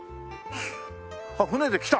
あっ船で来た？